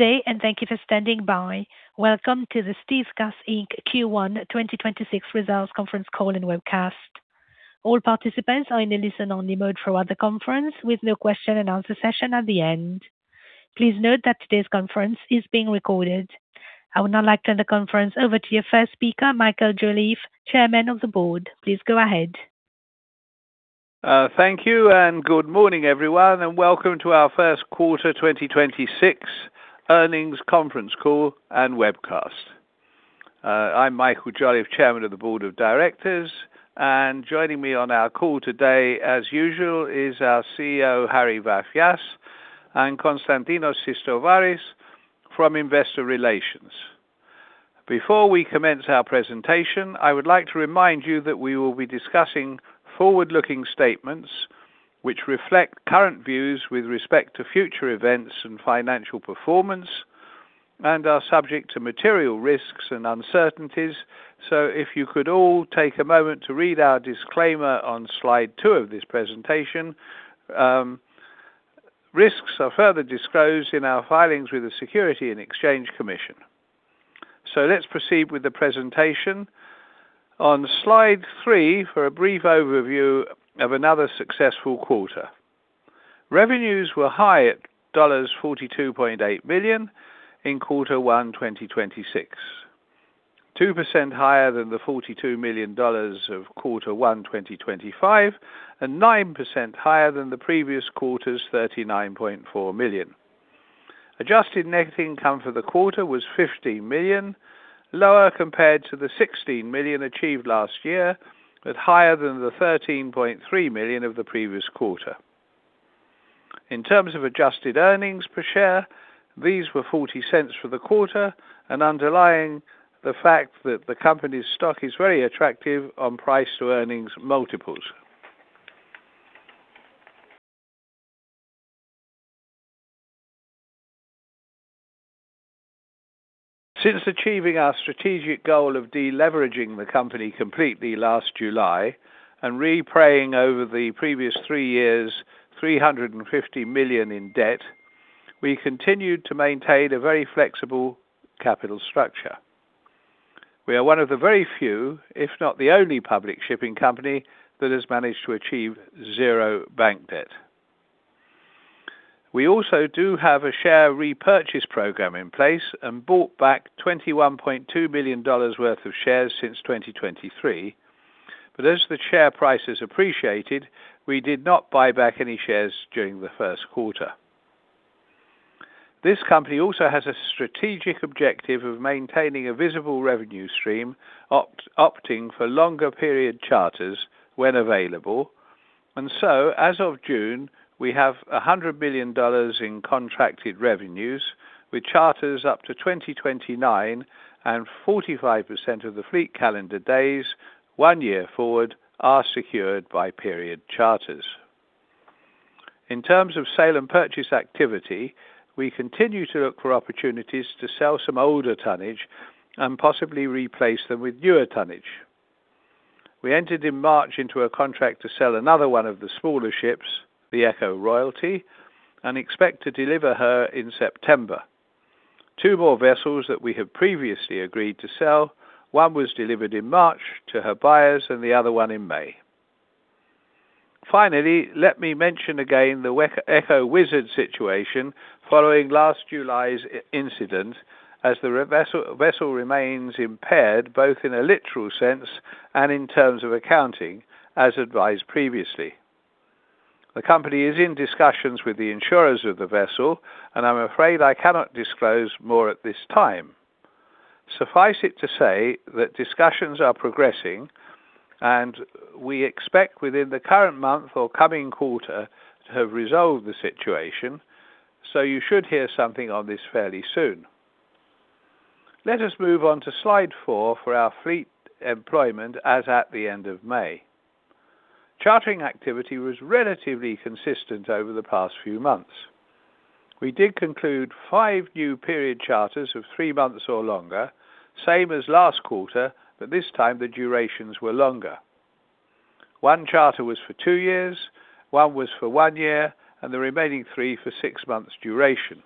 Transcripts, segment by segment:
Day, and thank you for standing by. Welcome to the StealthGas Inc. Q1 2026 results conference call and webcast. All participants are in a listen-only mode throughout the conference with no question and answer session at the end. Please note that today's conference is being recorded. I would now like to turn the conference over to your first speaker, Michael Jolliffe, Chairman of the Board. Please go ahead. Thank you, and good morning, everyone, and welcome to our first quarter 2026 earnings conference call and webcast. I'm Michael Jolliffe, Chairman of the Board of Directors, and joining me on our call today, as usual, is our CEO, Harry Vafias, and Konstantinos Sistovaris from Investor Relations. Before we commence our presentation, I would like to remind you that we will be discussing forward-looking statements which reflect current views with respect to future events and financial performance and are subject to material risks and uncertainties. If you could all take a moment to read our disclaimer on slide two of this presentation. Risks are further disclosed in our filings with the Securities and Exchange Commission. Let's proceed with the presentation. On slide three for a brief overview of another successful quarter. Revenues were high at $42.8 million in quarter one 2026, 2% higher than the $42 million of quarter one 2025, 9% higher than the previous quarter's $39.4 million. Adjusted net income for the quarter was $15 million, lower compared to the $16 million achieved last year, higher than the $13.3 million of the previous quarter. In terms of adjusted earnings per share, these were $0.40 for the quarter underlying the fact that the company's stock is very attractive on price to earnings multiples. Since achieving our strategic goal of de-leveraging the company completely last July and repaying over the previous three years, $350 million in debt, we continued to maintain a very flexible capital structure. We are one of the very few, if not the only public shipping company that has managed to achieve zero bank debt. We also do have a share repurchase program in place and bought back $21.2 million worth of shares since 2023. As the share price has appreciated, we did not buy back any shares during the first quarter. This company also has a strategic objective of maintaining a visible revenue stream, opting for longer period charters when available. As of June, we have $100 million in contracted revenues with charters up to 2029 and 45% of the fleet calendar days one year forward are secured by period charters. In terms of sale and purchase activity, we continue to look for opportunities to sell some older tonnage and possibly replace them with newer tonnage. We entered in March into a contract to sell another one of the smaller ships, the Eco Royalty, and expect to deliver her in September. Two more vessels that we have previously agreed to sell, one was delivered in March to her buyers and the other one in May. Finally, let me mention again the Eco Wizard situation following last July's incident as the vessel remains impaired both in a literal sense and in terms of accounting, as advised previously. The company is in discussions with the insurers of the vessel, and I'm afraid I cannot disclose more at this time. Suffice it to say that discussions are progressing, and we expect within the current month or coming quarter to have resolved the situation, so you should hear something on this fairly soon. Let us move on to slide four for our fleet employment as at the end of May. Chartering activity was relatively consistent over the past few months. We did conclude five new period charters of three months or longer, same as last quarter, but this time the durations were longer. One charter was for two years, one was for one year, and the remaining three for six months duration.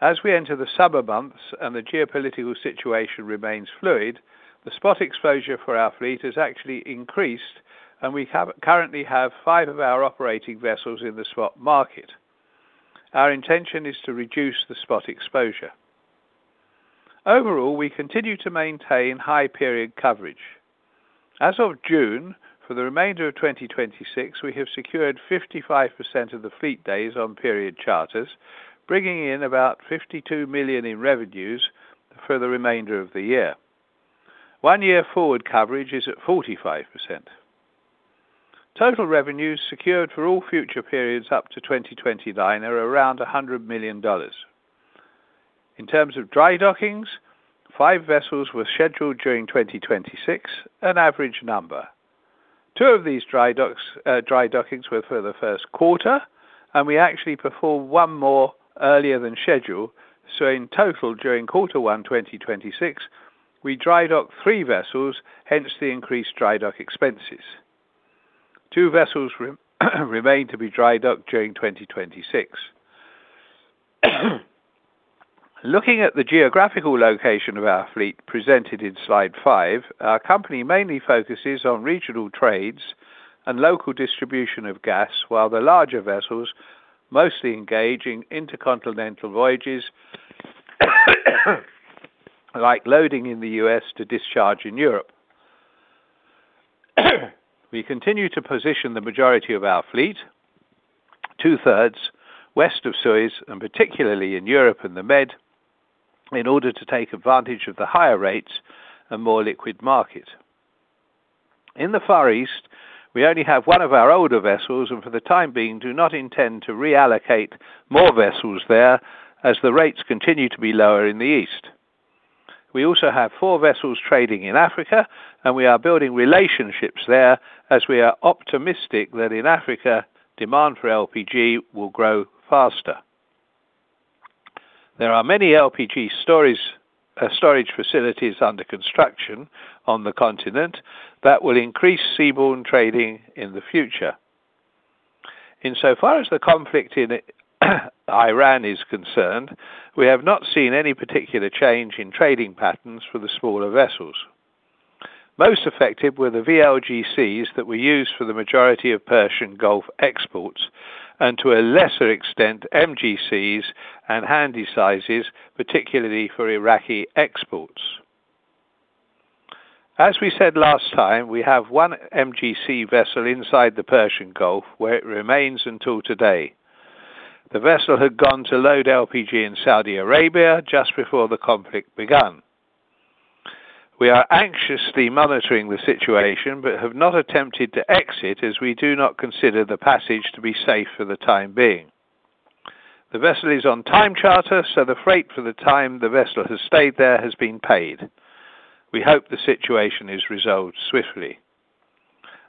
As we enter the summer months and the geopolitical situation remains fluid, the spot exposure for our fleet has actually increased, and we currently have five of our operating vessels in the spot market. Our intention is to reduce the spot exposure. Overall, we continue to maintain high period coverage. As of June, for the remainder of 2026, we have secured 55% of the fleet days on period charters, bringing in about $52 million in revenues for the remainder of the year. One-year forward coverage is at 45%. Total revenues secured for all future periods up to 2029 are around $100 million. In terms of dry dockings, five vessels were scheduled during 2026, an average number. Two of these dry dockings were for the first quarter, and we actually performed one more earlier than scheduled. In total, during quarter one 2026, we dry docked three vessels, hence the increased dry dock expenses. Two vessels remain to be dry docked during 2026. Looking at the geographical location of our fleet presented in slide five, our company mainly focuses on regional trades and local distribution of gas, while the larger vessels mostly engage in intercontinental voyages, like loading in the U.S. to discharge in Europe. We continue to position the majority of our fleet, 2/3, west of Suez, and particularly in Europe and the Med, in order to take advantage of the higher rates and more liquid market. In the Far East, we only have one of our older vessels, and for the time being, do not intend to reallocate more vessels there as the rates continue to be lower in the East. We also have four vessels trading in Africa, and we are building relationships there as we are optimistic that in Africa, demand for LPG will grow faster. There are many LPG storage facilities under construction on the continent that will increase seaborne trading in the future. In so far as the conflict in Iran is concerned, we have not seen any particular change in trading patterns for the smaller vessels. Most affected were the VLGCs that were used for the majority of Persian Gulf exports, and to a lesser extent, MGCs and Handysizes, particularly for Iraqi exports. As we said last time, we have one MGC vessel inside the Persian Gulf, where it remains until today. The vessel had gone to load LPG in Saudi Arabia just before the conflict began. We are anxiously monitoring the situation but have not attempted to exit as we do not consider the passage to be safe for the time being. The vessel is on time charter, so the freight for the time the vessel has stayed there has been paid. We hope the situation is resolved swiftly.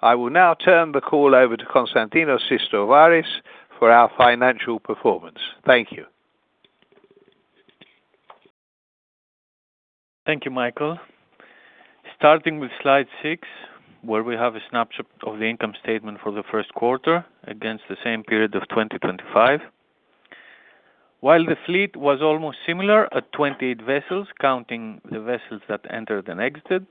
I will now turn the call over to Konstantinos Sistovaris for our financial performance. Thank you. Thank you, Michael. Starting with slide six, where we have a snapshot of the income statement for the first quarter against the same period of 2025. While the fleet was almost similar at 28 vessels, counting the vessels that entered and exited,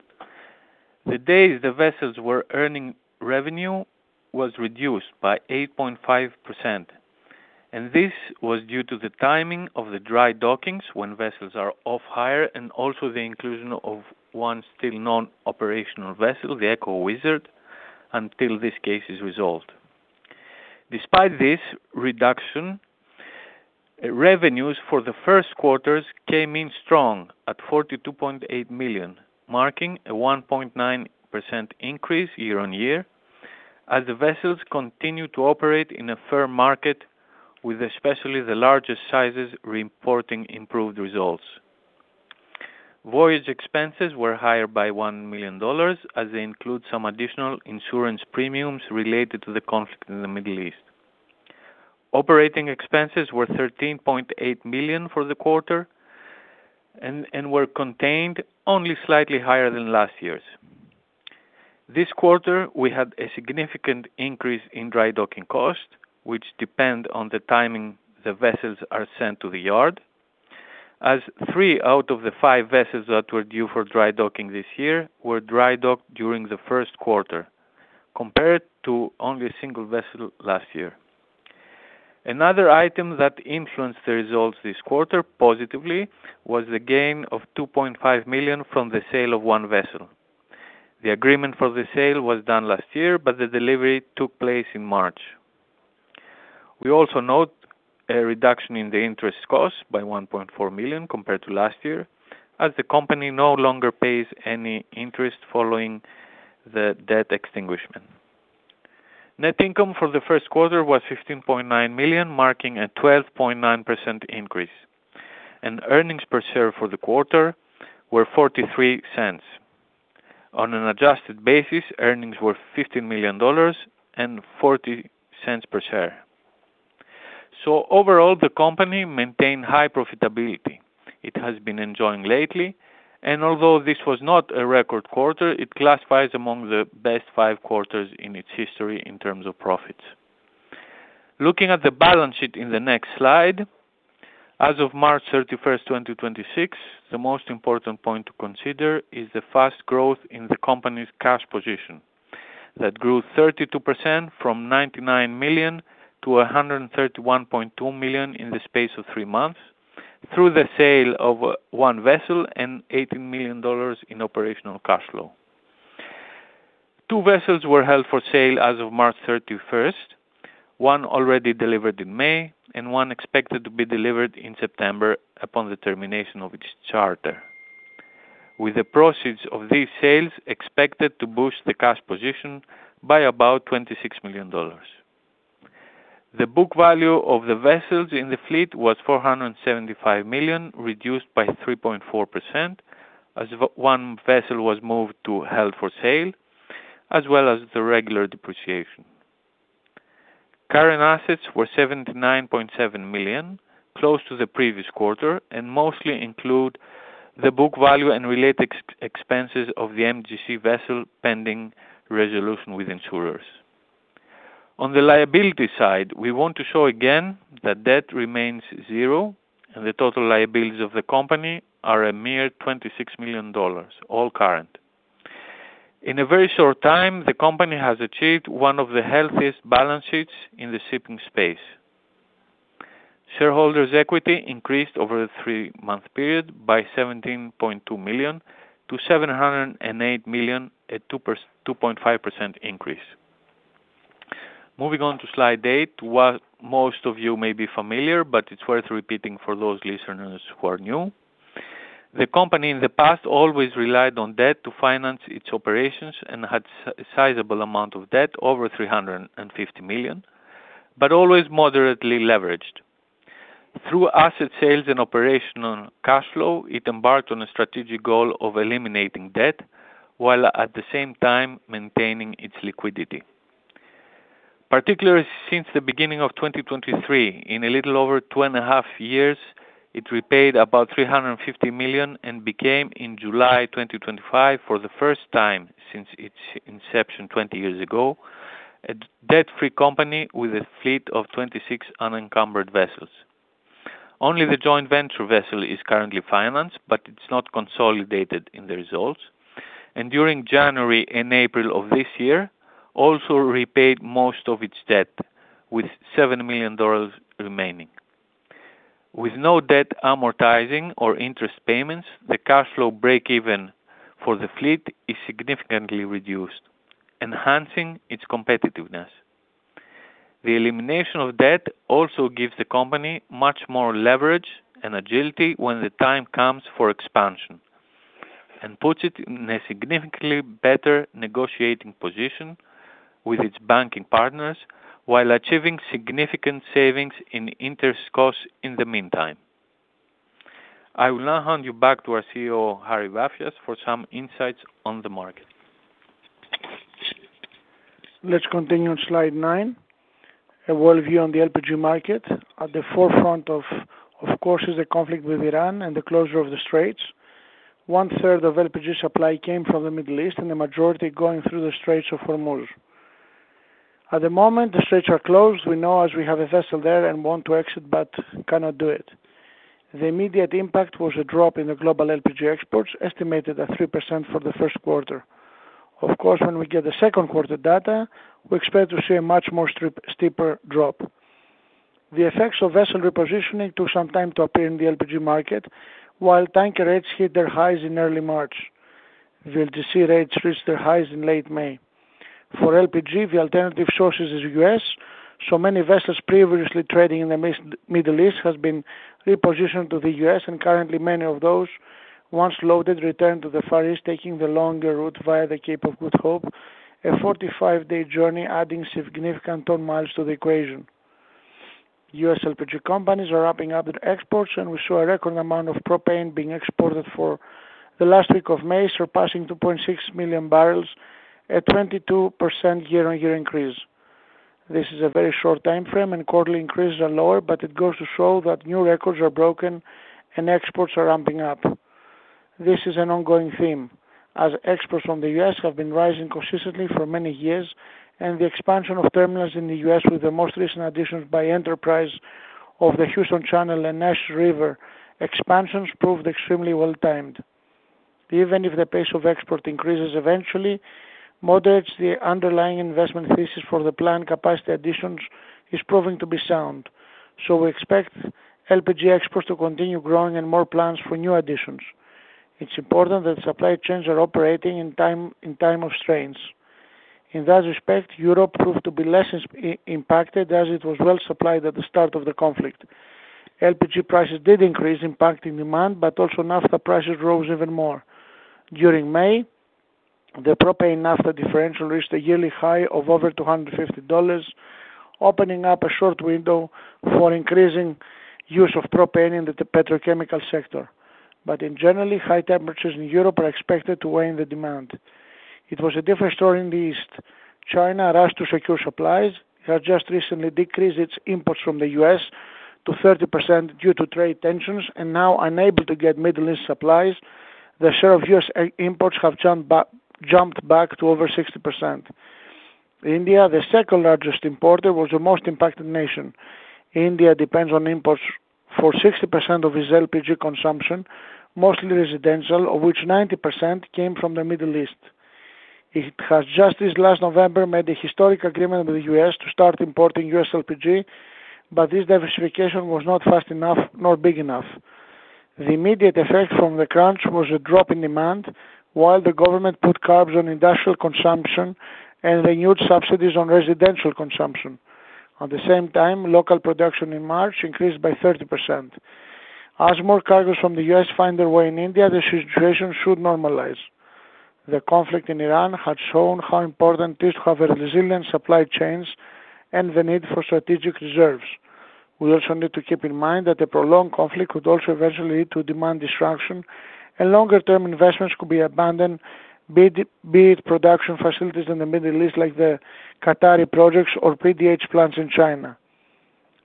the days the vessels were earning revenue was reduced by 8.5%. This was due to the timing of the dry dockings, when vessels are off hire, and also the inclusion of one still non-operational vessel, the Eco Wizard, until this case is resolved. Despite this reduction, revenues for the first quarters came in strong at $42.8 million, marking a 1.9% increase year-on-year as the vessels continue to operate in a firm market with especially the largest sizes reporting improved results. Voyage expenses were higher by $1 million as they include some additional insurance premiums related to the conflict in the Middle East. Operating expenses were $13.8 million for the quarter and were contained only slightly higher than last year's. This quarter, we had a significant increase in dry docking costs, which depend on the timing the vessels are sent to the yard, as three out of the five vessels that were due for dry docking this year were dry docked during the first quarter, compared to only a single vessel last year. Another item that influenced the results this quarter positively was the gain of $2.5 million from the sale of one vessel. The agreement for the sale was done last year, but the delivery took place in March. We also note a reduction in the interest costs by $1.4 million compared to last year as the company no longer pays any interest following the debt extinguishment. Net income for the first quarter was $15.9 million, marking a 12.9% increase. Earnings per share for the quarter were $0.43. On an adjusted basis, earnings were $15 million and $0.40 per share. Overall, the company maintained high profitability. It has been enjoying lately, and although this was not a record quarter, it classifies among the best five quarters in its history in terms of profits. Looking at the balance sheet in the next slide, as of March 31st, 2026, the most important point to consider is the fast growth in the company's cash position. That grew 32% from $99 million to $131.2 million in the space of three months through the sale of one vessel and $18 million in operational cash flow. Two vessels were held for sale as of March 31st, one already delivered in May, and one expected to be delivered in September upon the termination of its charter. With the proceeds of these sales expected to boost the cash position by about $26 million. The book value of the vessels in the fleet was $475 million, reduced by 3.4% as one vessel was moved to held for sale, as well as the regular depreciation. Current assets were $79.7 million, close to the previous quarter, and mostly include the book value and related expenses of the MGC vessel, pending resolution with insurers. On the liability side, we want to show again that debt remains zero and the total liabilities of the company are a mere $26 million, all current. In a very short time, the company has achieved one of the healthiest balance sheets in the shipping space. Shareholders' equity increased over the three-month period by $17.2 million to $708 million at 2.5% increase. Moving on to slide eight, what most of you may be familiar, but it's worth repeating for those listeners who are new. The company in the past always relied on debt to finance its operations and had a sizable amount of debt, over $350 million, but always moderately leveraged. Through asset sales and operational cash flow, it embarked on a strategic goal of eliminating debt, while at the same time maintaining its liquidity. Particularly since the beginning of 2023, in a little over two and a half years, it repaid about $350 million and became, in July 2025, for the first time since its inception 20 years ago, a debt-free company with a fleet of 26 unencumbered vessels. Only the joint venture vessel is currently financed, but it's not consolidated in the results. During January and April of this year, also repaid most of its debt with $7 million remaining. With no debt amortizing or interest payments, the cash flow break even for the fleet is significantly reduced, enhancing its competitiveness. The elimination of debt also gives the company much more leverage and agility when the time comes for expansion and puts it in a significantly better negotiating position with its banking partners while achieving significant savings in interest costs in the meantime. I will now hand you back to our CEO, Harry Vafias, for some insights on the market. Let's continue on slide nine, a world view on the LPG market. At the forefront, of course, is the conflict with Iran and the closure of the Straits. One-third of LPG supply came from the Middle East and the majority going through the Straits of Hormuz. At the moment, the straits are closed. We know as we have a vessel there and want to exit but cannot do it. The immediate impact was a drop in the global LPG exports, estimated at 3% for the first quarter. Of course, when we get the second quarter data, we expect to see a much more steeper drop. The effects of vessel repositioning took some time to appear in the LPG market, while tanker rates hit their highs in early March. The LDC rates reached their highs in late May. For LPG, the alternative sources is U.S., so many vessels previously trading in the Middle East has been repositioned to the U.S. and currently many of those, once loaded, return to the Far East, taking the longer route via the Cape of Good Hope, a 45-day journey adding significant ton-miles to the equation. U.S. LPG companies are ramping up their exports, and we saw a record amount of propane being exported for the last week of May, surpassing 2.6 million barrels, a 22% year-on-year increase. This is a very short timeframe and quarterly increases are lower, but it goes to show that new records are broken and exports are ramping up. This is an ongoing theme, as exports from the U.S. have been rising consistently for many years and the expansion of terminals in the U.S., with the most recent additions by Enterprise of the Houston Ship Channel and Neches River expansions proved extremely well-timed. Even if the pace of export increases eventually moderates, the underlying investment thesis for the planned capacity additions is proving to be sound. We expect LPG exports to continue growing and more plans for new additions. It's important that supply chains are operating in time of strains. In that respect, Europe proved to be less impacted as it was well supplied at the start of the conflict. LPG prices did increase, impacting demand, but also naphtha prices rose even more. During May, the propane naphtha differential reached a yearly high of over $250, opening up a short window for increasing use of propane in the petrochemical sector. Generally, high temperatures in Europe are expected to wane the demand. It was a different story in the East. China rushed to secure supplies. It has just recently decreased its imports from the U.S. to 30% due to trade tensions, and now unable to get Middle East supplies, the share of U.S. imports have jumped back to over 60%. India, the second-largest importer, was the most impacted nation. India depends on imports for 60% of its LPG consumption, mostly residential, of which 90% came from the Middle East. It has just this last November made a historic agreement with the U.S. to start importing U.S. LPG, but this diversification was not fast enough nor big enough. The immediate effect from the crunch was a drop in demand, while the government put curbs on industrial consumption and renewed subsidies on residential consumption. At the same time, local production in March increased by 30%. As more cargoes from the U.S. find their way in India, the situation should normalize. The conflict in Iran has shown how important it is to have a resilient supply chains and the need for strategic reserves. We also need to keep in mind that a prolonged conflict could also eventually lead to demand destruction and longer-term investments could be abandoned, be it production facilities in the Middle East, like the Qatari projects or PDH plants in China.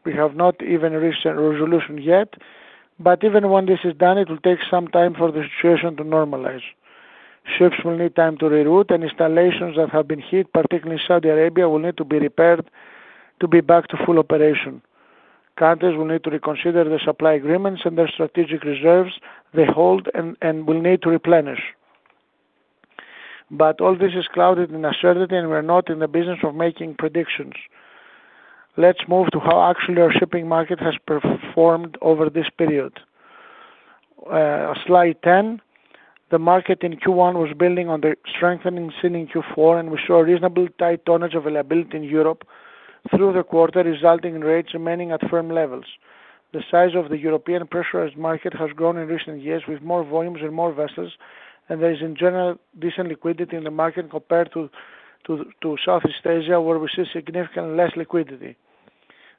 Even when this is done, it will take some time for the situation to normalize. Ships will need time to reroute, and installations that have been hit, particularly in Saudi Arabia, will need to be repaired to be back to full operation. Countries will need to reconsider their supply agreements and their strategic reserves they hold and will need to replenish. All this is clouded in uncertainty, and we're not in the business of making predictions. Let's move to how actually our shipping market has performed over this period. Slide 10. The market in Q1 was building on the strengthening seen in Q4, and we saw reasonable tight tonnage availability in Europe through the quarter, resulting in rates remaining at firm levels. The size of the European pressurized market has grown in recent years with more volumes and more vessels, and there is in general decent liquidity in the market compared to Southeast Asia, where we see significantly less liquidity.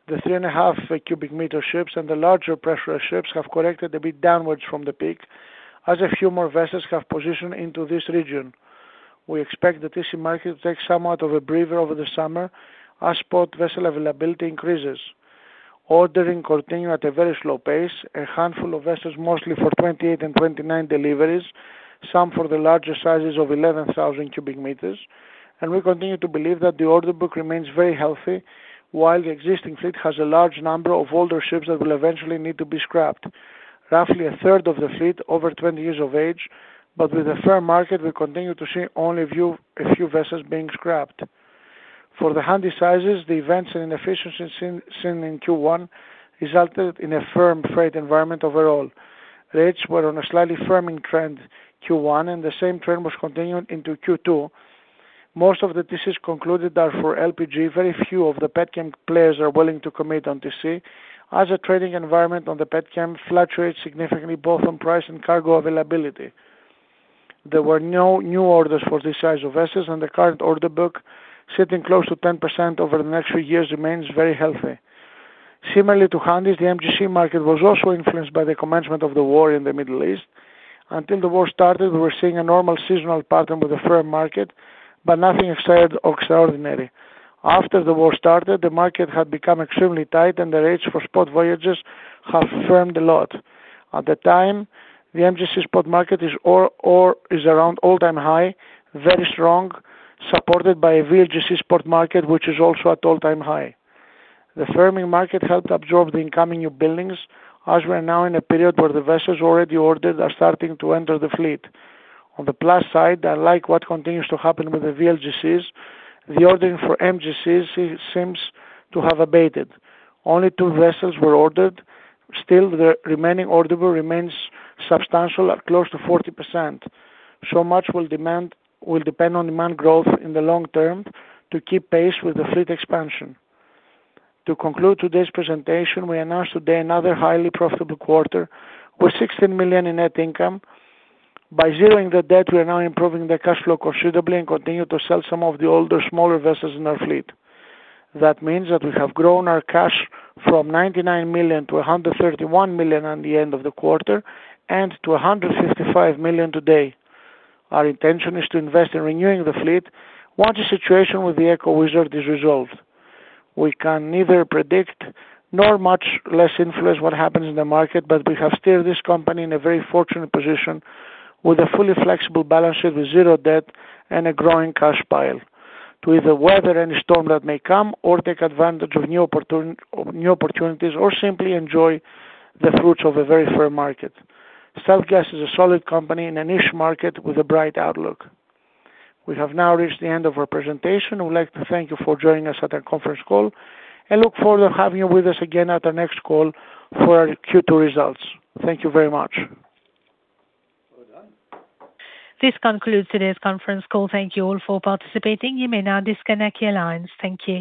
The three and a half cubic meter ships and the larger pressure ships have corrected a bit downwards from the peak as a few more vessels have positioned into this region. We expect the TC market to take somewhat of a breather over the summer as port vessel availability increases. Ordering continue at a very slow pace, a handful of vessels, mostly for 2028 and 2029 deliveries, some for the larger sizes of 11,000 cubic meters. We continue to believe that the order book remains very healthy while the existing fleet has a large number of older ships that will eventually need to be scrapped. Roughly a third of the fleet, over 20 years of age, but with a fair market, we continue to see only a few vessels being scrapped. For the Handysizes, the events and inefficiencies seen in Q1 resulted in a firm freight environment overall. Rates were on a slightly firming trend Q1, and the same trend was continued into Q2. Most of the TC concluded are for LPG. Very few of the petchem players are willing to commit on TC as a trading environment on the petchem fluctuates significantly both on price and cargo availability. There were no new orders for this size of vessels and the current order book, sitting close to 10% over the next few years, remains very healthy. Similarly to Handys, the MGC market was also influenced by the commencement of the war in the Middle East. Until the war started, we were seeing a normal seasonal pattern with a firm market, but nothing extraordinary. After the war started, the market had become extremely tight and the rates for spot voyages have firmed a lot. At the time, the MGC spot market is around all-time high, very strong, supported by a VLGC spot market, which is also at all-time high. The firming market helped absorb the incoming new buildings as we are now in a period where the vessels already ordered are starting to enter the fleet. On the plus side, unlike what continues to happen with the VLGCs, the ordering for MGCs seems to have abated. Only two vessels were ordered. Still, the remaining order book remains substantial at close to 40%. Much will depend on demand growth in the long term to keep pace with the fleet expansion. To conclude today's presentation, we announced today another highly profitable quarter with $16 million in net income. By zeroing the debt, we are now improving the cash flow considerably and continue to sell some of the older, smaller vessels in our fleet. That means that we have grown our cash from $99 million to $131 million at the end of the quarter and to $155 million today. Our intention is to invest in renewing the fleet once the situation with the Eco Wizard is resolved. We can neither predict nor much less influence what happens in the market, but we have steered this company in a very fortunate position with a fully flexible balance sheet with zero debt and a growing cash pile to either weather any storm that may come or take advantage of new opportunities or simply enjoy the fruits of a very fair market. StealthGas is a solid company in a niche market with a bright outlook. We have now reached the end of our presentation. We would like to thank you for joining us at our conference call and look forward to having you with us again at our next call for our Q2 results. Thank you very much. Well done. This concludes today's conference call. Thank you all for participating. You may now disconnect your lines. Thank you.